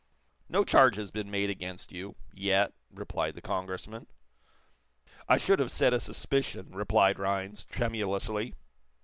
"No charge has been made against you yet," replied the Congressman. "I should have said a suspicion," replied Rhinds, tremulously.